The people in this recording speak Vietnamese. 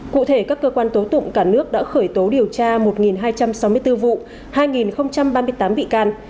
cụ thể các cơ quan tố tụng cả nước đã khởi tố điều tra một hai trăm sáu mươi bốn vụ hai ba mươi tám bị can